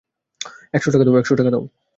একশো টাকা দাও।